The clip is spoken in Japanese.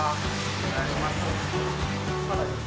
お願いします。